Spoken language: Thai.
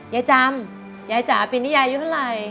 ยายจำยายจ๋าปีนี้ยายอายุเท่าไหร่